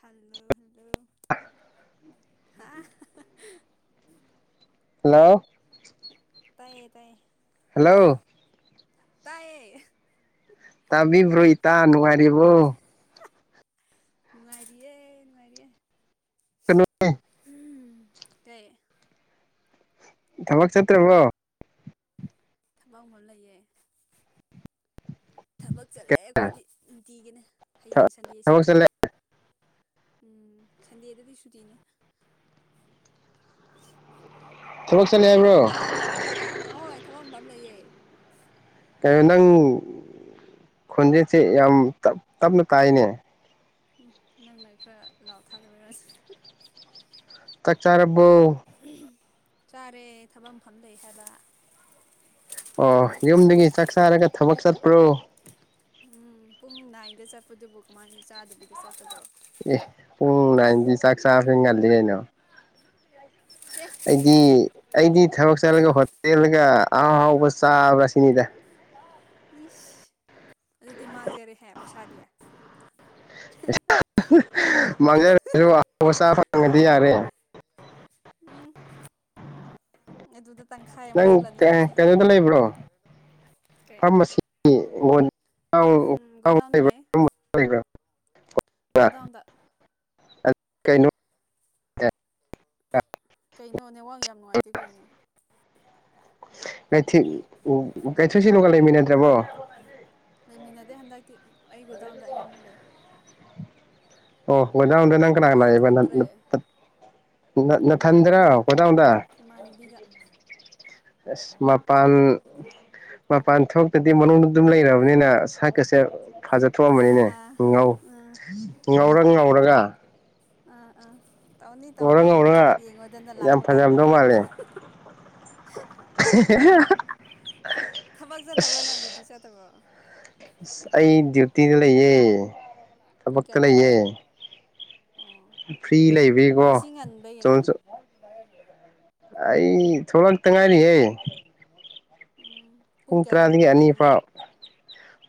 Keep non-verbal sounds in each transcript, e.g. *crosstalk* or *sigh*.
ꯈꯜꯂ ꯜꯂ ꯈꯥ ꯍꯜꯂꯣ ꯇꯥꯏꯌꯦ ꯇꯥꯏꯌꯦ ꯍꯜꯂꯣ ꯇꯥꯏꯌꯦꯦ ꯇꯥꯕꯤꯕ꯭ꯔꯣ ꯏꯇꯥꯅꯅꯨꯡꯉꯥꯏ ꯕꯨꯣ ꯅꯨꯡꯉꯥꯏꯔꯤꯌꯦ ꯅꯨꯡꯉꯥꯏꯔꯤꯌꯦ ꯀꯩꯅꯣ ꯀ ꯊꯕꯛ ꯆꯠꯇ꯭ꯔꯦꯕꯣ ꯊꯕꯛ ꯑꯃ ꯂꯩꯌꯦꯦ ꯆꯠꯂꯛꯑꯦ ꯑꯩꯈꯣꯏꯗꯤ ꯇꯒꯦꯅꯦ ꯍꯌꯦꯡ ꯁꯟꯗꯦ ꯊꯕꯛ ꯁꯨꯇꯤ ꯆꯠꯂꯦ ꯎꯝ ꯁꯟꯗꯦꯗꯗꯤ ꯁꯨꯇꯤꯅꯦ ꯆꯂꯣ ꯅꯪꯒꯤ ꯍꯣꯏ ꯊꯕꯛ ꯑꯃꯕꯥ ꯂꯩꯌꯦꯦ ꯀꯣ ꯅꯪ ꯈꯣꯟꯖꯦꯁꯦ ꯌꯥꯝꯞ ꯇꯞꯅ ꯇꯥꯏꯅꯦ ꯎꯝ ꯅꯪꯅ ꯈꯔ ꯂꯥꯎ ꯊꯥꯗꯕꯤꯔꯁꯤ ꯆꯆꯥꯔꯕꯨ ꯆꯥꯔꯦ ꯊꯕꯛ ꯃꯐꯝ ꯂꯩ ꯍꯥꯏꯕ ꯑꯣ ꯌꯨꯝꯗꯒꯤ ꯆꯥꯛ ꯆꯥꯔꯒ ꯊꯕꯛ ꯆꯠꯄ꯭ꯔꯣ ꯎꯝ ꯄꯨꯡ ꯅꯥꯏꯟꯗ ꯆꯠꯄꯗꯨꯕꯨ ꯀꯃꯥꯏꯅ ꯆꯥꯗꯕꯤꯗ ꯆꯠꯀꯗ꯭ꯔꯣ ꯑꯦ ꯄꯨꯡ ꯅꯥꯏꯟꯗꯤ ꯆꯥꯛ ꯆꯥꯕꯁꯦ ꯉꯜꯂꯤ ꯀꯩꯅꯣ ꯑꯦ ꯑꯩꯗꯤ ꯑꯩꯗꯤ ꯊꯕꯛ ꯆꯠꯂꯒ ꯍꯣꯇꯦꯜꯒ ꯑꯥꯎꯍꯥꯎꯕ ꯆꯥꯕ꯭ꯔꯥ ꯁꯤꯅꯤꯗ ꯏꯁꯁ ꯑꯗꯨꯗꯤ ꯃꯥꯡꯖꯔꯦꯍꯦ ꯄꯩꯁꯥꯗꯤ ꯃꯥꯡꯖꯒꯁꯨ ꯑꯍꯥꯎ ꯑꯁꯥ ꯐꯪꯉꯗꯤ ꯌꯥꯔꯦ ꯑꯗꯨ ꯑꯗꯨꯗ ꯇꯪꯈꯥꯏ ꯑꯃ ꯅꯪ ꯆꯠꯂꯅꯤ ꯑꯗꯨꯗꯤ ꯀꯩꯅꯣꯗ ꯂꯩꯕ꯭ꯔꯣ ꯀꯩ ꯐꯥꯔꯃꯥꯁꯤ ꯑꯣꯟ ꯎꯝ ꯣꯗꯥꯟ ꯂꯩꯦ ꯣꯗꯥꯟꯗ ꯀꯩꯅꯣ ꯀꯩꯅꯣꯅꯦꯋꯥꯡ ꯌꯥꯝ ꯅꯨꯡꯉꯥꯏꯇꯦ ꯀꯩꯅꯣ ꯀꯩꯊ ꯎ ꯀꯩꯊꯦꯜ ꯁꯤꯂꯨꯒ ꯂꯩꯃꯤꯟꯅꯗ꯭ꯔꯕꯣ ꯂꯩꯃꯤꯟꯅꯗꯦ ꯍꯟꯗꯛꯇꯤ ꯑꯩ ꯒꯨ ꯗꯥꯎꯟꯗ ꯑꯌꯥꯝꯕ ꯂꯩꯦ ꯑ ꯀꯗꯥꯥꯎꯟꯗ ꯅꯪ ꯀꯅꯥ ꯂꯥꯛꯑꯦꯕ ꯊꯣꯛꯇ꯭ꯔꯦ ꯅꯅꯥꯊꯟꯗꯔꯣ ꯏꯃꯥꯟꯅꯕꯤꯒ ꯀꯗꯥꯟꯗ ꯏꯃꯥꯟꯅꯕꯤꯒ ꯑꯁ ꯃꯄꯥꯟ ꯃꯄꯥꯟ ꯊꯣꯛꯇꯗꯤ ꯃꯅꯨꯡꯗ ꯑꯗꯨꯝ ꯂꯩꯔꯕꯅꯤꯅ ꯁꯀꯁꯦ ꯑꯥ ꯐꯥꯖꯊꯣꯛꯑꯝꯕꯅꯤꯅꯦ ꯑꯥ ꯉꯥꯎ ꯑꯥ ꯉꯥꯎꯔꯒ ꯄꯨꯡ ꯍꯧꯔꯒ ꯑ ꯑꯥ ꯇꯧꯅꯤ ꯇꯧꯅꯤ ꯉꯧꯔꯒ ꯌꯦꯡꯉꯣꯗꯅ ꯌꯥꯝ ꯂꯥꯛꯄ ꯀꯥꯟꯗ ꯐꯖꯔꯝꯗꯧ ꯃꯥꯜꯂꯦ ꯍ ꯊꯕꯛ ꯆꯥꯗꯕ꯭ꯔꯅ ꯗꯤꯗꯤ ꯆꯥꯠꯇꯕ꯭ꯔꯣ ꯑꯁ ꯑꯩ ꯗ꯭ꯌꯨꯇꯤꯗ ꯂꯩꯌꯦ ꯄꯨꯡ ꯆꯄꯛꯛꯇ ꯀꯌꯥꯗ ꯂꯩꯌꯦ ꯂꯥꯛꯏꯅ ꯑꯣ ꯐ꯭ꯔꯤ ꯂꯩꯕꯤꯀꯣ ꯉꯁꯤ ꯆ ꯉꯟꯕꯩꯔꯥ ꯑꯩ ꯊꯣꯔ ꯇꯪꯉꯥꯏꯔꯤꯍ ꯎꯝ ꯄꯨꯡ ꯀꯌꯥꯗ ꯑꯃꯨꯛ ꯇꯔꯥꯗꯒꯤ ꯍꯜ ꯑꯅꯤ ꯑꯣ ꯐꯥꯎ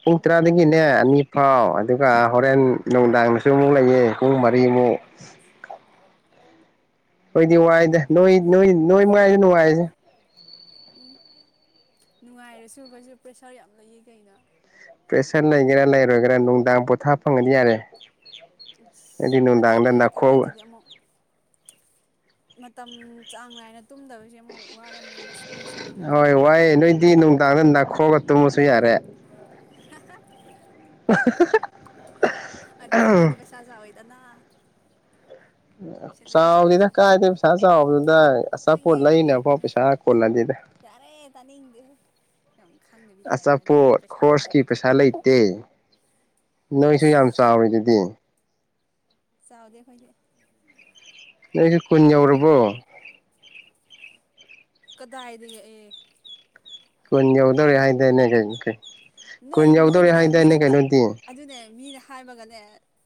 ꯄꯨꯡ ꯎꯝ ꯇꯔꯥꯗꯒꯤꯅꯦ ꯑꯅꯤ ꯐꯥꯎ ꯑꯗꯨꯒ ꯍꯣꯔꯦꯟ ꯅꯨꯡꯗꯥꯡꯗꯁꯨ ꯑꯃꯨꯛ ꯂꯩꯌꯦ ꯄꯨꯡ ꯃꯔꯤꯃꯨꯛ ꯑꯣꯏꯗꯤ ꯋꯥꯏꯗ ꯅꯣꯏ ꯅꯣꯏ ꯅꯣꯏ ꯃꯉꯥꯏ ꯅꯨꯡꯉꯥꯏꯁꯦ ꯎꯝ ꯅꯨꯡꯉꯥꯏꯔꯁꯨ ꯑꯩꯩꯁꯨ ꯄ꯭ꯔꯦꯁꯥꯔ ꯌꯥꯝ ꯂꯩꯌꯦ ꯀꯩꯅꯣ ꯄ꯭ꯔꯦꯁꯔ ꯂꯩꯒꯦꯔ ꯂꯩꯔꯣꯏꯒꯦꯔꯥ ꯅꯨꯡꯗꯥꯡ ꯄꯣꯊꯥ ꯐꯪꯉꯗꯤ ꯌꯥꯔꯦ ꯑꯁ ꯑꯩꯗꯤ ꯑꯗꯨ ꯅꯨꯡꯗꯥꯡꯗ ꯅꯣꯏꯒꯤ ꯅꯥꯈꯣꯛꯑꯒ ꯊꯕꯛꯇꯨꯗꯤ ꯑꯃꯨꯛ ꯃꯇꯝ ꯆꯥꯡ ꯅꯥꯏꯅ ꯇꯨꯝꯗꯕꯁꯦ ꯑꯃꯨꯛ ꯋꯥꯔꯝꯅꯤ ꯃꯁ ꯅꯁꯥꯗꯣ ꯗꯤ ꯅꯨꯡꯗꯥꯡꯗ ꯅꯥꯈꯣꯔꯒ ꯇꯨꯝꯃꯁꯨ ꯌꯥꯔꯦ *unintelligible* *inaudible* ꯑꯗꯨꯁꯨꯅꯣꯏꯗꯤ ꯄꯩꯁ ꯆꯥꯎꯏ ꯀꯅꯥ ꯆꯥꯎꯗꯦꯗ ꯀꯥꯏꯗꯩ ꯄꯩꯁꯥ ꯆꯥꯎꯕꯗꯨꯗ ꯈꯪꯉꯦ ꯑꯆꯥꯄꯣꯠ ꯈꯪꯉꯦ ꯂꯩꯅꯐꯥꯎ ꯈꯪꯉꯦ ꯄꯩꯁꯥ ꯀꯣꯟꯅꯗꯦꯗ ꯌꯥꯔꯦ ꯇꯥꯅꯤꯡꯗꯦ ꯌꯥꯝ ꯈꯪꯗꯕꯤ ꯇꯥꯏꯞꯇ ꯅꯣꯏ ꯑꯆꯥꯄꯣꯠ ꯄꯩꯁꯥ ꯈꯣꯔ꯭ꯁꯀꯤ ꯄꯥꯏꯗ꯭ꯔꯗꯤ ꯄꯩꯁꯥ ꯂꯩꯇꯦ ꯅꯣꯏꯁꯨ ꯌꯥꯝ ꯑꯁ ꯆꯥꯎꯔꯤꯗꯨꯗꯤ *inaudible* ꯆꯥꯎꯗꯦ ꯑꯩꯈꯣꯏꯗꯤ ꯅꯣꯏꯁꯨ ꯅꯪ ꯀꯨꯟꯌꯧꯔꯕꯣ ꯀꯗꯥꯏꯗꯒꯤ ꯑꯦ ꯀꯨꯟ ꯌꯧꯗꯧꯔꯦ ꯀꯃꯥꯏꯅ ꯀꯨꯟ ꯍꯥꯏꯗꯥꯏꯅꯦ ꯌꯧꯗꯣꯏꯅꯣ ꯀꯩ ꯅꯣꯏ ꯀꯨꯟ ꯌꯧꯗꯧꯔꯦ ꯅꯣꯏꯅꯅꯦ ꯃꯤꯅ ꯍꯥꯏꯗꯥꯏꯅꯦ ꯇ ꯀꯩꯅꯣꯗꯤ ꯑꯗꯨꯅꯦ ꯃꯤꯅ ꯍꯥꯏꯕꯒꯅꯦ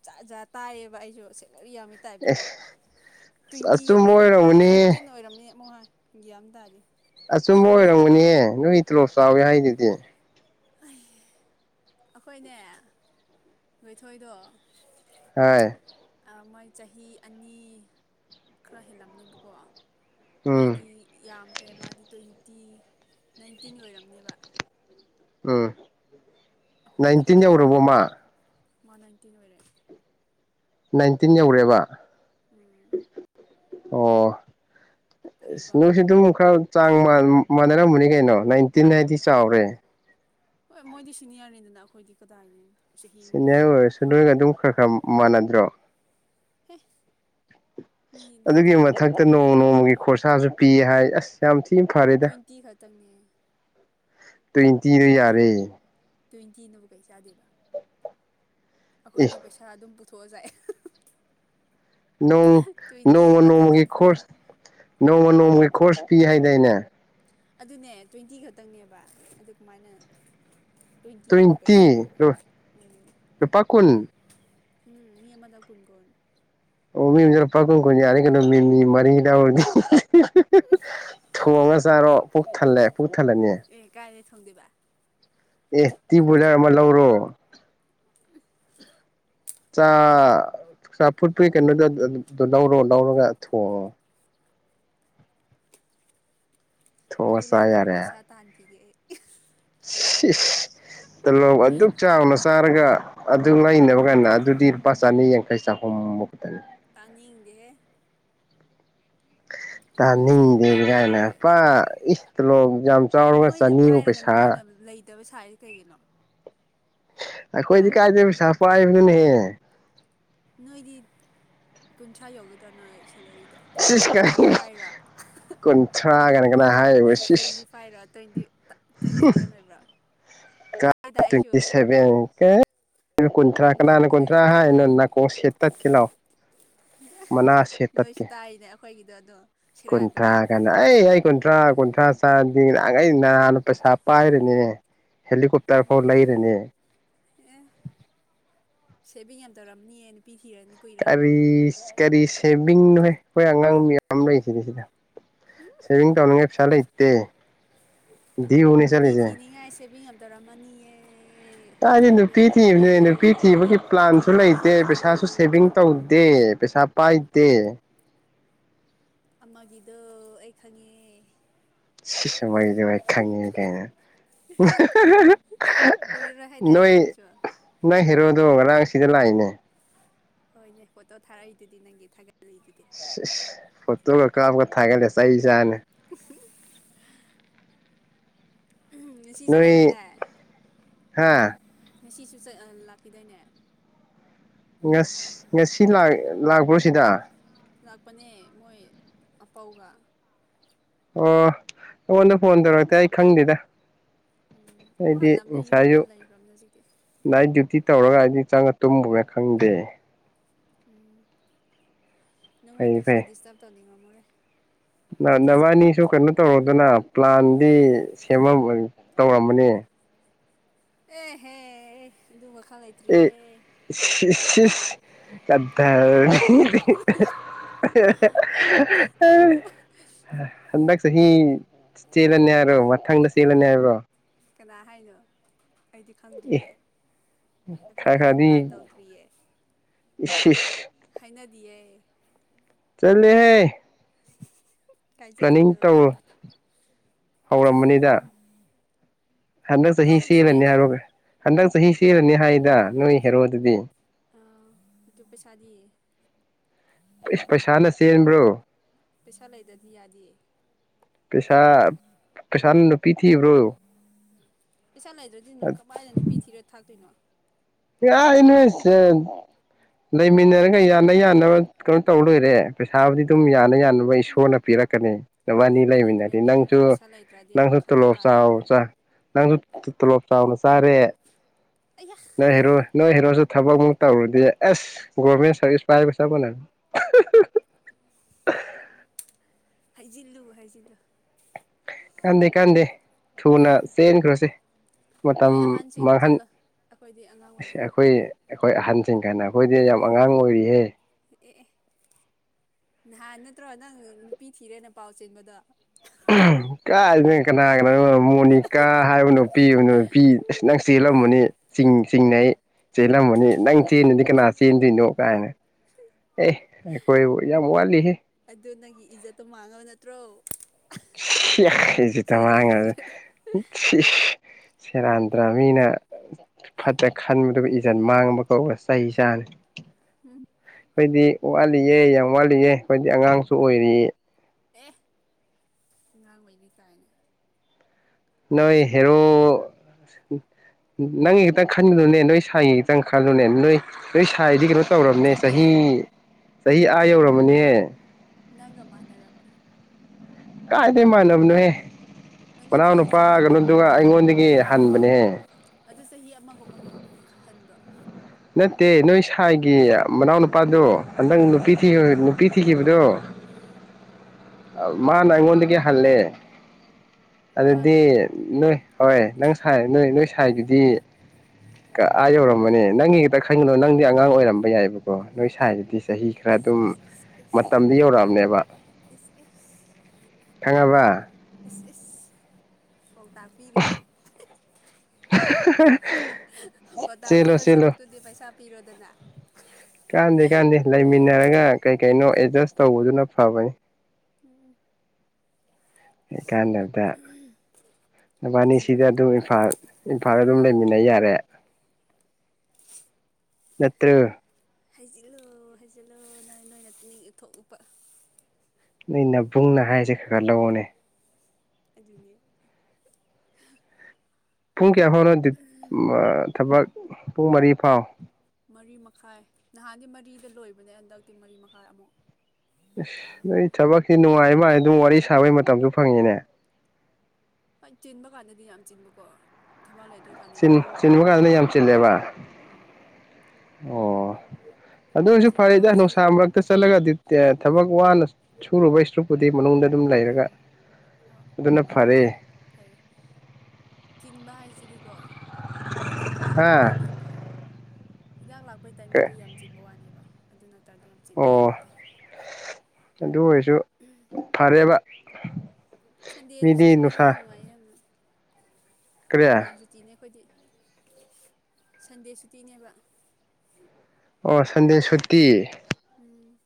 ꯖꯥꯠ ꯖꯥꯠ ꯇꯥꯏꯌꯦꯕ ꯑꯩꯁꯨ ꯁꯦ ꯌꯥꯝꯃꯤ ꯇꯥꯏ꯭ꯞꯇꯀꯣ ꯑꯦꯁ ꯇ꯭ꯋꯦꯟꯇꯤ ꯑꯆꯨꯝꯕ ꯌꯧꯔꯦ ꯑꯃꯨꯛ ꯍꯥꯏ ꯑꯣꯏꯔꯝꯒꯅꯤꯍꯦ ꯐꯤꯐꯇꯤꯟ ꯑꯣꯏꯔꯝꯃꯦ *inaudible* ꯒ꯭ꯌꯥꯟ ꯇꯥꯗꯦ ꯑꯆꯨꯝꯕ ꯈꯪꯗꯕ ꯑꯣꯏꯔꯝꯒꯅꯦ ꯅꯣꯏ ꯇꯂꯣꯞ ꯆꯥꯎꯋꯤ ꯍꯥꯏ ꯗꯨꯗꯤ ꯑꯩꯈꯣꯏꯅꯦ *inaudible* ꯊꯣꯏꯗꯣ ꯑꯥꯏ ꯃꯥꯏ ꯆꯍꯤ ꯑꯅꯤ ꯈꯔ ꯍꯦꯜꯂꯝꯅꯦꯕꯀꯣ ꯎꯝ ꯃꯥꯗꯤ ꯌꯥꯝ ꯈ꯭ꯔꯦ ꯃꯥꯗꯤ ꯇ꯭ꯋꯦꯟꯇꯤ ꯅꯥꯏꯟꯇꯤꯟ ꯑꯣꯏꯔꯝꯅꯦꯕ ꯎꯝ ꯑꯩꯈꯣꯏꯗꯤ ꯅꯥꯏꯟꯇꯤꯟ ꯀꯗꯥꯏꯗꯩꯅꯣ ꯌꯧꯔꯕꯣꯃ ꯃꯥ ꯅꯥꯏꯟꯇꯤꯟ ꯑꯣꯏꯔꯦ ꯅꯥꯏꯟꯇꯤꯟ ꯌꯧꯔꯦꯕ ꯎꯝ ꯑꯣ ꯏꯁ ꯐꯩꯀꯣ ꯅꯣꯏꯁꯨ ꯗꯨꯝ ꯈꯔ ꯆꯥꯡ ꯃꯥꯟꯅꯔꯝꯃꯅꯤ ꯀꯩꯅꯣ ꯅꯥꯏꯟꯇꯤꯟ ꯅꯥꯗꯤ ꯆꯥꯎꯔꯦ ꯍꯣꯏ ꯃꯣꯏꯗꯤ ꯁꯤꯅꯤꯌꯔꯅꯤꯗꯅ ꯑꯩꯈꯣꯏꯗꯤ ꯀꯗꯥꯏꯅꯦ ꯆꯍꯤ ꯑꯃ ꯁꯤꯅꯦ ꯐꯥ ꯑꯣꯏ ꯐꯥ ꯁꯅ ꯑꯗꯨꯝ ꯈꯔ ꯈꯔ ꯃꯥꯟ ꯭ꯔꯣ ꯍ ꯑꯗꯨꯒꯤ ꯃꯊꯛꯇ ꯏꯟꯅ ꯅꯣꯡꯃ ꯇꯧꯕꯅꯤ ꯅꯣꯡꯃꯒꯤ ꯀꯩꯅꯣ ꯈꯣꯔꯁꯥꯁꯨ ꯄꯤ ꯍꯥꯏ ꯑꯁ ꯌꯥꯝ ꯊ ꯇ꯭ꯋꯦꯟꯇꯤ ꯈꯛꯇꯪꯅꯦ ꯇ ꯇꯔ ꯌꯥꯔꯦ ꯇ꯭ꯋꯦꯟꯇꯤꯅꯕꯨ ꯀꯩ ꯆꯥꯗꯣꯏꯕ ꯑꯦ ꯑꯩꯈꯣꯏꯗꯤ ꯄꯩꯁꯥ ꯑꯗꯨꯝ ꯊꯣꯛꯑꯖꯥꯏ ꯣꯡ ꯅꯣꯡꯃ ꯃꯊꯛꯇ ꯅꯣꯡꯃꯒꯤ ꯑꯃꯨꯛ ꯄꯨꯊꯔ ꯈꯁ ꯅꯣꯡꯃ ꯅꯣꯡꯃꯒꯤ ꯀꯣꯔꯁ ꯐꯤ ꯍꯥꯏꯗꯥꯏꯅꯦ ꯑꯗꯨꯅꯦ ꯇ꯭ꯋꯦꯟꯇꯤ ꯈꯛꯇꯪꯅꯦꯕ ꯑꯗꯨ ꯀꯃꯥꯏꯅ ꯇ꯭ꯋꯦꯟꯇꯤꯗꯨꯕꯨ ꯀꯩ ꯆꯥꯗꯣꯏꯕ ꯎꯝ ꯇ꯭ꯣꯏꯇꯤꯄꯥ ꯀꯨꯟ ꯎꯝ ꯃꯤ ꯑꯃꯗ ꯀꯨꯣꯟ ꯀꯣꯟ ꯑꯣ ꯃꯤꯖꯂ ꯄꯀꯣꯏꯦ ꯑꯔ ꯀꯅ ꯃꯤ ꯃꯔꯤꯗ ꯑꯣꯏꯔꯗꯤ ꯊꯣꯡꯉ ꯆꯥꯔꯣ ꯄꯨꯛ ꯊꯜꯂꯦ ꯄꯨꯛ ꯊꯜꯂꯅꯤ ꯊꯪꯗꯕ ꯑꯦ ꯇꯤ ꯖꯥ ꯑꯃ ꯂꯧꯔꯣ ꯆꯄꯨꯠꯄꯒꯤ ꯀꯩꯅꯣꯗꯣꯣ ꯂꯧꯔꯣ ꯂꯧꯔꯒ ꯊꯑꯣ ꯊꯣꯡꯉ ꯑꯗꯨ ꯆꯥ ꯂꯩꯅꯕ ꯌꯥꯔꯦ ꯄꯩꯁꯥ ꯇꯥꯟꯈꯤꯒꯦ ꯑꯩ ꯎ ꯇ ꯂꯣ ꯑꯗꯨ ꯆꯥꯅ ꯁꯔ ꯍꯥꯏꯔꯒ ꯑꯗꯨ ꯂꯩꯥꯏꯅꯕ ꯀꯥꯟꯗ ꯑꯗꯨꯗꯤ ꯂꯨꯄꯥ ꯆꯅꯤ ꯌꯥꯡꯈꯩ ꯆꯥꯍꯨꯝ ꯈꯛꯇꯅꯤ ꯇꯥꯅꯤꯡꯗꯦ ꯌꯥꯝ ꯄꯥꯏꯕꯤ ꯇꯅꯤꯡꯗꯦꯒꯅ ꯇꯥꯏꯞꯇ ꯄ ꯏ ꯍꯦꯜꯂꯣ ꯌꯥꯝ ꯆꯥꯎꯔꯒ ꯅꯣꯏꯅ ꯆꯅꯤꯕꯨ ꯄꯥꯏꯔꯒ ꯄꯩꯁꯥ ꯅꯣꯏꯅ ꯂꯩꯇꯕ ꯁꯥꯏꯁꯦ ꯀꯩꯒꯤꯅꯣ ꯍꯥ ꯈꯣꯏꯗꯤ ꯀꯥꯏꯗꯒꯤ ꯄꯩꯁꯥ ꯅ ꯍꯦ ꯅꯣꯏꯗꯤ ꯀꯨꯟꯊ꯭ꯔꯥ ꯌꯧꯒꯗ꯭ꯔꯥ ꯅꯣꯏ ꯁꯦꯂꯔꯤꯗꯣ ꯁꯤ ꯀ ꯇ꯭ꯋꯦꯟꯇꯤ ꯐꯥꯏꯚꯔꯣ ꯀꯟ ꯍꯒ twenty fibre twenty twenty seven ꯑꯣꯏꯕ꯭ꯔꯥ ꯀ ꯇ꯭ꯋꯦꯟꯇꯤ ꯁꯦꯚꯦꯟꯀ ꯀꯨꯟ ꯊꯔꯥ ꯅꯣꯏ ꯀꯅꯥꯅ ꯀꯨꯟꯊ꯭ꯔꯥ ꯁꯦꯂꯔꯤꯗꯣ ꯑꯩ ꯍꯥꯏꯅꯣ ꯇꯥꯏꯅꯦ ꯅꯥꯀꯣꯡ ꯁꯦꯠ ꯇꯠꯀꯦ ꯂꯥꯛꯑꯣ ꯃꯅꯥ ꯁꯦꯠ ꯇꯠꯀꯦ ꯗꯗꯣ ꯀꯨꯟꯊ꯭ꯔꯥ ꯀꯥꯟ ꯑꯩ ꯑꯩ ꯀꯨꯟꯊ꯭ꯔꯥ ꯀꯨꯣꯟꯊ꯭ꯔꯥ ꯈꯩ ꯅꯍꯥꯟꯅ ꯄꯩꯁꯥ ꯄꯥꯏꯔꯅꯤꯅꯦ ꯍꯦꯂꯤꯀꯣꯞꯇꯔ ꯐꯥꯎ ꯂꯩꯔꯦꯅꯦ ꯁꯦꯚ ꯌꯥꯝ ꯇꯧꯔꯝꯅꯤꯑꯅ ꯀꯔꯤ ꯀꯔꯤ ꯁꯦꯕꯤꯡꯅꯣꯍꯣꯏ ꯍꯣꯏ ꯑꯉꯥꯡꯃꯤ ꯊꯝ ꯂꯩ ꯁꯤꯗꯤ ꯁꯤꯗ ꯁꯚꯤꯡ ꯇꯧꯅꯤꯡꯒꯥꯏ ꯄꯩꯁꯂꯦ ꯏꯇꯦ ꯎ ꯅꯨꯄꯤ ꯊꯤꯅꯤꯉꯥꯏꯁꯦ ꯇꯔꯃꯅꯤ ꯇꯥꯗꯤ ꯅꯨꯄꯤ ꯊꯤꯕꯅꯦ ꯅꯨꯄꯤ ꯊꯤꯕꯒꯤ ꯀꯩꯊꯦꯜ ꯄ꯭ꯂꯥꯟꯁꯨ ꯂꯩꯇꯦ ꯂꯝꯕꯤꯗꯒꯤꯗꯣ ꯄꯩꯁꯥꯁꯨ ꯁꯦꯚꯤꯡ ꯇꯧꯗꯦ ꯄꯦꯁꯥ ꯄꯥꯏꯗꯦ ꯑꯃꯒꯤꯗ ꯑꯩ ꯈꯪꯉꯦ ꯁꯤ ꯈꯪꯉꯦ ꯀꯅ ꯀꯨꯏꯔꯔꯣꯏ ꯍꯥꯏꯗꯥꯏꯅꯦ ꯅꯣꯏ ꯅꯣꯏꯁꯨ ꯅ ꯍꯔꯣ ꯇꯣꯡ ꯉꯔꯥꯡ ꯁꯤꯗ ꯂꯥꯛꯏꯅꯦ ꯍꯣꯏꯅꯦ ꯐꯣꯇꯣ ꯊꯥꯔꯛꯏꯗꯨꯗꯤ ꯅꯪꯒꯤ ꯊꯥꯒꯠꯂꯤꯅꯦ ꯐꯣꯇꯣꯒ ꯀꯥꯞꯒ ꯊꯥꯒꯠꯂꯦ ꯆ ꯑꯩ ꯆꯥꯅꯤ ꯎ ꯎꯝ ꯁꯤꯁꯨ ꯅꯣꯏ ꯂꯥꯛꯈꯤꯗ ꯍꯥ ꯉꯁꯤꯁꯨ ꯂꯥꯛꯈꯤꯗꯏꯅꯦ ꯉꯁꯤ ꯉꯁꯤ ꯂꯥꯛꯄ꯭ꯔꯣ ꯁꯤꯗ ꯂꯥꯛꯄꯅꯦ ꯃꯣꯏ ꯑꯄꯧꯒ ꯑꯣꯉꯗ ꯐꯣꯟ ꯇꯧꯔꯛꯇꯦ ꯑꯩ ꯈꯪꯗꯗ ꯎꯝ ꯑꯃꯨꯛ ꯍꯜꯂꯑꯕꯅꯤ ꯌꯨꯝꯗ ꯂꯩꯈ꯭ꯔꯕꯅꯦ ꯍꯧꯖꯤꯛꯇꯤ ꯅꯥꯏꯠ ꯗ꯭ꯌꯨꯇꯤ ꯇꯧꯔꯒ ꯑꯩꯗꯤ ꯆꯪꯉꯒ ꯇꯨꯝꯕꯒ ꯈꯪꯗꯦ ꯎꯝ ꯅꯪꯣꯟꯗꯁꯨ ꯁꯇꯥꯥꯕ ꯇꯧꯅꯤꯡꯉꯣꯃꯣ ꯐ ꯅ ꯅꯕꯥꯅꯤꯁꯨ ꯀꯩꯅꯣ ꯇꯧꯔꯣꯗꯅ ꯄ꯭ꯂꯥꯟꯗꯤ ꯁꯦꯝꯃ ꯇꯧꯔꯝꯕꯅꯤ ꯑꯦ ꯍꯦ ꯑꯗꯨꯃꯛ ꯑꯦ ꯏꯁꯁ ꯀꯗꯔꯗ ꯍꯟꯗꯛ ꯆꯍꯤ ꯆꯦꯜꯂꯅꯤ ꯍꯥꯏꯔꯣ ꯃꯊꯪꯗ ꯆꯦꯜꯂꯅꯤ ꯍꯥꯏꯔꯣ ꯀꯅꯥ ꯍꯥꯏꯅꯣ ꯑꯩꯗꯤ ꯑꯦ ꯈꯪꯗ꯭ꯔꯤꯌꯦ ꯑꯩꯈꯣꯏ ꯈꯔ ꯑꯗꯨ ꯈꯔꯗꯤ ꯄ꯭ꯂꯥꯟ ꯇꯧꯗ꯭ꯔꯤꯌꯦ ꯏꯁ ꯍꯥꯏꯅꯗꯤꯌꯦ ꯆꯠꯂꯦꯍꯦ ꯀꯥꯏ ꯄ꯭ꯂꯥꯅꯤꯡ ꯆꯠꯇꯣꯏꯅꯣ ꯇꯧ ꯍꯧꯔꯝꯕꯅꯤꯗ ꯍꯟꯗꯪꯛ ꯆꯥꯁꯤ ꯇꯧꯗꯦꯃꯦ ꯆꯦꯜꯂꯅꯤ ꯍꯥꯏꯔꯅꯤ ꯍꯅꯦ ꯍꯟꯗꯛ ꯆꯍꯤ ꯆꯦꯜꯂꯅꯤ ꯍꯥꯏꯗ ꯅꯣꯏ ꯍꯦꯔꯣꯗꯨꯗꯤ ꯑꯥ ꯑꯗꯨ ꯄꯩꯁꯥꯗꯤ ꯄꯩꯁꯥꯅ ꯆꯦꯟꯕ꯭ꯔꯣ ꯄꯩꯁꯥ ꯂꯩꯗ꯭ꯔꯗꯤ ꯌꯥꯗꯤꯌꯦ ꯄꯩꯁꯥ ꯄꯩꯁꯥꯅ ꯄꯤꯊꯤꯕ꯭ꯔꯣ ꯄꯩꯁꯥ ꯂꯩꯗ꯭ꯔꯗꯤꯅꯣ ꯀꯃꯥꯏꯅ ꯅꯨꯄꯤ ꯊꯤꯔꯣ ꯊꯥꯛꯇꯣꯏꯅꯣ *unintelligible* ꯂꯩꯃꯤꯟꯅꯔꯒ ꯌꯥꯅ ꯌꯥꯅꯕ ꯀꯩꯅꯣ ꯇꯧ ꯂꯣꯏꯔꯦ ꯄꯩꯁꯥꯕꯨꯗꯤ ꯑꯗꯨꯝ ꯌꯥ ꯅ ꯌꯥꯅꯕ ꯎꯝ ꯏꯁꯣꯔꯅ ꯄꯤꯔꯛꯀꯅꯤ ꯋꯥꯅꯤ ꯂꯩꯃꯤꯟꯅ ꯂꯩꯃꯤꯅꯗꯤ ꯅꯁꯨ ꯂꯩꯃꯤꯟꯅꯔꯒ ꯄꯩꯁꯥ ꯂꯩꯇ꯭ꯔꯗꯤ ꯅꯪꯁꯨ ꯑꯃꯨꯛ ꯈꯟꯅ ꯇꯣꯂꯣꯞ ꯇꯥꯔꯦ ꯇꯣꯐ ꯇꯥꯎꯅꯥ ꯆꯍꯔꯦ ꯑꯩꯌꯥ ꯅꯣꯏ ꯍꯦꯔꯣꯏ ꯅꯣꯏ ꯍꯦꯔꯣꯁꯨ ꯊꯕꯛꯃꯨꯛ ꯇꯧꯔꯨꯗꯤ ꯑꯦꯁ ꯒꯣꯔꯚꯔꯃꯦꯟ ꯁꯥꯔꯚꯤꯁ ꯄꯥꯏꯒ ꯆꯠꯄꯅꯦ ꯍꯩꯖꯤꯜꯂꯨ ꯍꯩꯖꯤꯜꯂꯨ ꯀꯥꯟꯗꯦ ꯀꯥꯟꯗꯦ ꯊꯨꯅ ꯆꯦꯟꯈ꯭ꯔꯁꯦ ꯃꯇꯝ ꯅꯣꯏ ꯑꯍꯟꯁꯤꯡ ꯃꯥꯡꯍꯟ ꯆꯠꯂꯣ ꯑꯩꯈꯣꯏꯗꯤ ꯑꯉꯥꯡ ꯑꯣꯏꯔꯤꯌꯦ ꯑꯩꯈꯣꯏꯍꯦ ꯍꯣꯏ ꯑꯍꯟꯁꯤꯡ ꯀꯥꯏꯅ ꯑꯩꯈꯣꯏꯗꯤ ꯌꯥꯝ ꯎꯝ ꯑꯉꯥꯡ ꯑꯣꯏꯔꯤꯍꯦ ꯑꯦ ꯑꯦ ꯅꯍꯥꯟ ꯅꯠꯇ꯭ꯔꯣ ꯅꯪ ꯅꯨꯄꯤ ꯊꯤꯔꯦꯅ ꯄꯥꯎ ꯆꯦꯟꯕꯗꯣ ꯀꯥꯏꯗ ꯀꯅꯥꯒ ꯃꯔꯣꯟ ꯃꯨꯛ ꯃꯣꯅꯤꯀꯥ ꯍꯥꯏꯕ ꯅꯨꯄꯤ ꯅꯨꯄꯤ ꯑꯁ ꯅꯪ ꯆꯦꯜꯂꯝꯃꯅꯤ ꯆꯤꯡ ꯆꯤꯡꯅꯩ ꯆꯦꯂꯝ ꯃꯅꯤ ꯅꯪ ꯆꯦꯟꯅꯗꯤ ꯀꯅꯥ ꯆꯦꯟꯗꯣꯏꯅꯣ ꯀꯥꯏꯅ ꯑꯦ ꯑꯩꯈꯣꯏꯕꯨ ꯌꯥꯝ ꯋꯥꯠꯂꯤꯍꯦ ꯑꯗꯨ ꯅꯪꯒꯤ ꯏꯖꯠꯇꯣ ꯃꯥꯡꯉꯕ ꯅꯠꯇ꯭ꯔꯣ ꯆꯦꯜꯂꯣ ꯍꯧꯖꯤꯛ *unintelligible* ꯁꯦꯔꯥꯟꯗ꯭ꯔꯕ ꯃꯤꯅ ꯐꯠꯇ ꯈꯟꯕꯗꯨꯕꯨ ꯏꯖꯟ ꯃꯥꯡꯕ ꯀꯧꯔ ꯆꯩ ꯆꯥꯅꯤ ꯍꯝ ꯈꯣꯏꯗꯤ ꯋꯥꯠꯂꯤꯌꯦ ꯌꯥꯝ ꯋꯥꯠꯂꯤꯌꯦ ꯈꯣꯏꯗꯤ ꯑꯉꯥꯡꯁꯨ ꯑꯣꯏꯔꯤꯌꯦ ꯑꯦ ꯉꯥꯡꯕꯩꯅꯤ ꯀꯥꯏꯅ ꯅꯣꯏ ꯍꯦꯔꯣ ꯅꯪꯒꯤ ꯈꯤꯇꯪ ꯈꯟꯒꯂꯨꯅꯦ ꯅꯣꯏ ꯁꯥꯏꯒꯤ ꯈꯤꯇꯪ ꯈꯜꯂꯨꯅꯦ ꯅꯣꯏ ꯅꯣꯏ ꯁꯥꯏꯗꯤ ꯀꯩꯅꯣ ꯇꯧꯔꯕꯅꯦ ꯆꯍꯤ ꯆꯠꯂꯣꯍꯦ ꯆꯍꯤ ꯑꯥ ꯌꯧꯔꯝꯃꯅꯦ ꯅꯪꯒ ꯃꯥꯟꯅꯔꯝꯅꯦ ꯀꯥꯏꯗꯩꯩ ꯃꯥꯅꯅꯕꯅꯣꯍꯦ ꯅꯪꯉꯣꯟꯗꯒꯤ ꯆꯍꯤ ꯑꯃꯒꯨꯝꯕ ꯑꯩꯉꯣꯟꯗꯒꯤ ꯍꯟꯕꯅꯦꯍꯦ ꯑꯗꯨ ꯆꯍꯤ ꯑꯃꯒꯨꯝꯕꯍꯟꯕ꯭ꯔꯣ ꯅꯠꯇꯦ ꯅꯣꯏ ꯁꯥꯏꯒꯤ ꯃꯅꯥꯎꯅꯨꯄꯥꯗꯣ ꯑꯅꯪ ꯑꯥ ꯅꯨꯄꯤ ꯊꯤ ꯑꯣꯏ ꯅꯨꯞ ꯄꯤꯊꯤꯈꯤꯕ ꯗꯣ ꯑꯥ ꯑꯥ ꯃꯅꯥ ꯑꯩꯉꯣꯟꯗꯒꯤ ꯍꯜꯅꯦ ꯑꯗꯨꯗꯤ ꯃꯥꯅ ꯅꯣꯏ ꯍꯣꯏ ꯅꯪ ꯁꯥꯏ ꯅꯣꯏ ꯅꯣꯏ ꯁꯥꯏꯗꯨꯗꯤ ꯀꯛ ꯑꯥ ꯌꯧꯔꯝꯕꯅꯦ ꯅꯪꯒꯤ ꯈꯤꯇ ꯈꯪꯒꯅꯣ ꯅꯪꯗꯤ ꯑꯉꯥꯡ ꯑꯣꯏꯔꯝꯕ ꯌꯥꯏꯕꯀꯣ ꯅꯣꯏ ꯁꯥꯏꯗꯗꯤ ꯆꯍꯤ ꯈꯔ ꯏꯁ ꯑꯗꯨꯝ ꯏꯁ ꯏꯁ ꯏꯁ ꯃꯇꯝꯗ ꯌꯧꯔꯛꯑꯝꯅꯦꯕ ꯏꯁ ꯏꯁ ꯊꯪꯉꯕ ꯏꯁꯁ ꯄꯥꯎꯇꯥꯛ ꯄꯤꯔꯤꯕ ꯄꯥꯎꯇꯥꯛ ꯆꯦꯜꯂꯣ ꯄꯤꯕ ꯆꯦꯜꯂꯣ ꯁꯔꯨꯛꯇꯨꯗꯤ ꯄꯩꯁꯥ ꯄꯤꯔꯣꯗꯅ ꯀꯥꯟꯗꯦ ꯀꯥꯟꯗꯦ ꯂꯩꯃꯤꯟꯅꯔꯒ ꯀꯩ ꯀꯩꯅꯣ ꯑꯦꯗꯖꯁ ꯇꯧꯕꯗꯨꯅ ꯐꯕꯅꯤ ꯎꯝ ꯏꯀꯥꯟꯅꯕꯗ ꯋꯥꯊꯤ ꯅꯨꯕꯥꯅꯤꯁꯤꯗ ꯋꯥꯔꯦꯝ ꯑꯗꯨꯝ ꯏꯝꯐꯥꯜ ꯏꯝꯐꯥꯜ ꯑꯗꯨꯝ ꯂꯩꯃꯤꯟꯅꯩ ꯌꯥꯔꯦ ꯅꯠꯇ꯭ꯔꯣ ꯍꯩꯖꯤꯜꯂꯨ ꯍꯩꯖꯤꯜꯂꯨ ꯅꯣꯏ ꯅꯣꯏꯅ ꯇꯤꯅꯤꯊꯣꯛꯎꯄ ꯅ ꯅꯕꯨꯡꯅ ꯍꯥꯏꯁꯦ ꯈꯔ ꯈꯔ ꯂꯧꯅꯦ ꯑꯗꯨꯅꯦ ꯄꯨꯡ ꯀꯌꯥ ꯐꯥꯎꯅꯣ ꯊꯕꯛ ꯄꯨꯡ ꯃꯔꯤ ꯐꯥꯎ ꯃꯔꯤ ꯃꯈꯥꯏ ꯅꯍꯥꯟꯗꯤ ꯃꯔꯤꯗ ꯂꯣꯏꯕꯅꯦ ꯍꯟꯗꯛꯇꯤ ꯃꯔꯤ ꯃꯈꯥꯏ ꯑꯃꯨꯛ ꯅ ꯇꯥꯈ꯭ꯔꯦ ꯊ ꯀꯤ ꯅꯅꯨꯡꯉꯥꯏꯃ ꯑꯗꯨꯝ ꯋꯥꯔꯤ ꯁꯥꯕꯩ ꯃꯇꯝꯁꯨ ꯐꯪꯉꯤꯅꯦ ꯍꯣꯏ ꯆꯤꯟꯕ ꯀꯥꯟꯗꯗꯤ ꯌꯥꯝ ꯆꯤꯟꯕꯀꯣ ꯊꯕꯛ ꯂꯩꯇ꯭ꯔꯀꯥꯟꯗꯅ ꯀꯣꯝ ꯆꯤꯟꯕ ꯏꯀꯣꯝ ꯀꯥꯟꯗꯅ ꯌꯥꯝ ꯀꯣꯝꯕ ꯆꯤꯜꯂꯦꯕ ꯎꯝ ꯑꯣ ꯑꯗꯨ ꯑꯣꯏꯔꯁꯨ ꯆꯤꯟꯕ ꯐꯔꯦꯗ ꯍꯥꯏꯁꯤꯗꯤ ꯅꯨꯡꯁꯥ ꯃꯔꯛꯇ ꯆꯠꯂꯒ ꯗꯤ ꯊꯕꯛ ꯋꯥꯅ ꯁꯨꯨꯔꯨꯕꯩ ꯁꯔꯨꯛꯄꯨꯗꯤ ꯃꯅꯨꯡꯗ ꯑꯗꯨꯝ ꯂꯩꯔꯒ ꯑꯥ ꯍꯣꯏ ꯑꯗꯨꯅ ꯐꯔꯦ ꯑꯗꯨꯗꯤ ꯁꯤꯗꯤꯒꯣ ꯍꯤꯗꯥꯛ ꯂꯥꯛꯄ ꯍꯥ ꯇꯥꯏꯃꯤꯡꯗꯣ ꯍꯤꯗꯥꯛ ꯂꯥꯛꯄꯩ ꯇꯥꯏꯃꯤꯡꯗꯣ ꯌꯥꯝ ꯆꯤꯟꯕ ꯋꯥꯅꯦꯕ ꯑꯗꯨꯅꯠ ꯑꯣ ꯑꯗꯨ ꯑꯣꯏꯔꯁꯨ ꯐꯔꯦꯕ ꯃꯤꯗꯤ ꯁꯟꯗꯦꯗꯨꯁꯨꯇꯤ ꯄꯤꯕꯅꯤꯅ ꯅꯨꯡꯁꯥ ꯅꯨꯡꯉꯥꯏꯌꯦ ꯌꯥꯝꯅ ꯀꯔꯤ ꯍꯌꯦꯡ ꯁꯨꯇꯤꯅꯦ ꯑꯩꯈꯣꯏꯗꯤ ꯁꯟꯗꯦꯁꯨꯇꯤꯅꯦꯕ ꯑꯣ ꯁꯟꯗꯦ ꯁꯨꯇꯤ ꯎꯝ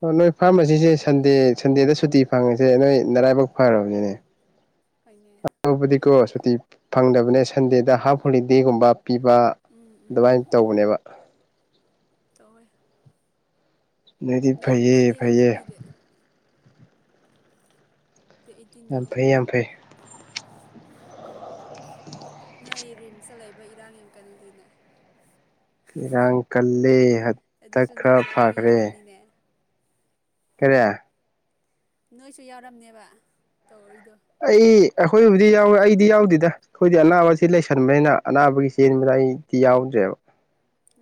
ꯑꯣ ꯅꯣꯏ ꯐꯥꯔꯃꯥꯁꯤꯁꯦ ꯁꯟꯗꯦ ꯁꯟꯗꯦꯗ ꯁꯨꯇꯤ ꯐꯪꯉꯤꯁꯦ ꯅꯣꯏ ꯅꯔꯥꯏꯕꯛ ꯐꯔꯕꯅꯤꯅꯦ ꯍꯣꯏꯅꯦ ꯑꯇꯣꯕꯗꯤ ꯀꯣ ꯑꯩꯈꯣꯏꯗꯤ ꯁꯨꯇꯤ ꯐꯪꯗꯕꯅꯦ ꯁꯟꯗꯦꯗ ꯍꯥꯞ ꯍꯣꯂꯤꯗꯦꯒꯨꯝꯕ ꯄꯤꯕ ꯎꯝ ꯎꯝ ꯎꯝ ꯑꯗꯨꯃꯥꯏꯅ ꯇꯧꯕꯅꯦꯕ ꯇꯧꯋꯦ ꯑꯗꯨꯗꯤ ꯅꯍꯥꯟ ꯐꯩꯌꯦ ꯕ꯭ꯂꯦꯛ ꯗꯦꯗꯗꯤ ꯐꯩꯌꯦ ꯄꯤꯗꯦ ꯗꯦꯠ ꯑꯩꯠꯇꯤꯟꯗꯣ ꯌꯥꯝ ꯐꯩ ꯌꯥꯝ ꯐꯩ ꯅꯣꯏ ꯔꯤꯝꯁꯇ ꯂꯩꯕ ꯏꯔꯥꯡ ꯌꯥꯝ ꯀꯜꯂꯤꯅꯦ ꯏꯔꯥꯡ ꯀꯜꯂꯦ ꯍꯟꯗꯛ ꯑꯗꯨꯁꯨ ꯈꯔ ꯅꯣꯏꯁꯨ ꯑꯃꯨꯛ ꯐꯥꯈ꯭ꯔꯦ ꯌꯥꯎꯔꯝꯅꯤꯅꯦ ꯀꯔꯤ ꯅꯣꯏꯁꯨ ꯌꯥꯎꯔꯝꯅꯦꯕ ꯇꯧꯔꯤꯗꯣ ꯑꯩ ꯑꯩꯈꯣꯏꯕꯨꯗꯤ ꯌꯥꯎꯋꯦ ꯑꯩꯗꯤ ꯌꯥꯎꯗꯦꯗ ꯑꯩꯈꯣꯏꯗꯤ ꯑꯅꯥꯕ ꯁꯤ ꯂꯩꯁꯟꯕꯅꯤꯅ ꯑꯅꯥꯕꯒꯤ ꯆꯦꯟꯕꯗ ꯎꯝ ꯑꯩꯗꯤ ꯌꯥꯎꯗ꯭ꯔꯦꯕ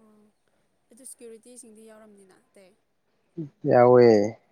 ꯑꯣ ꯑꯗꯨ ꯁꯦꯀ꯭ꯌꯨꯔꯤꯇꯤꯁꯤꯡꯗꯤ ꯌꯥꯎꯔꯝꯅꯤꯅ ꯑꯇꯩ ꯌꯥꯎꯋꯦ